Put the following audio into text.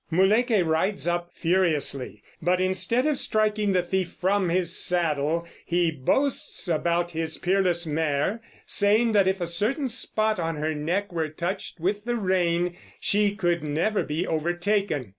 Muléykeh rides up furiously; but instead of striking the thief from his saddle, he boasts about his peerless mare, saying that if a certain spot on her neck were touched with the rein, she could never be overtaken.